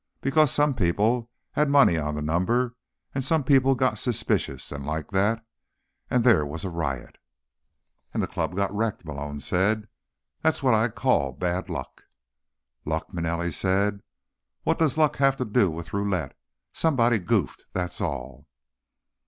"Because some people had money on the number, and some people got suspicious, and like that. And there was a riot." "And the club got wrecked," Malone said. "That's what I call bad luck." "Luck?" Manelli said. "What does luck have to do with roulette? Somebody goofed, that's all."